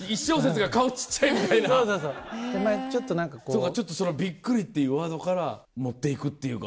ちょっとその「びっくり」っていうワードから持って行くっていうか。